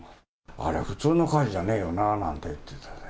あれ、普通の火事じゃねえよななんて言ってた。